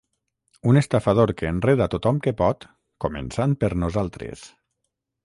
Un estafador que enreda tothom que pot, començant per nosaltres.